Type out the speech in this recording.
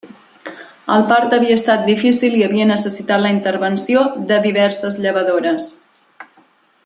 El part havia estat difícil i havia necessitat la intervenció diverses llevadores.